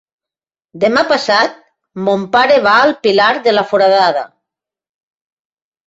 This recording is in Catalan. Demà passat mon pare va al Pilar de la Foradada.